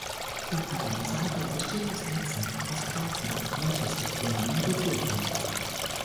Der Katalysator besteht aus Netzen aus Platin, welches mit Rhodium dotiert wird.